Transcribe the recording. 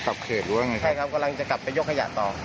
เขตหรือว่ายังไงใช่ครับกำลังจะกลับไปยกขยะต่อ